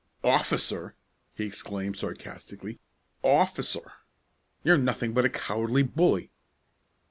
"Officer!" he exclaimed sarcastically; "officer! You're nothing but a cowardly bully!"